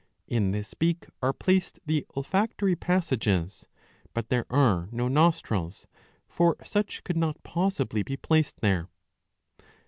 In this beak are placed the olfactory passages. But there are no nostrils ; for such could not possibly be placed there.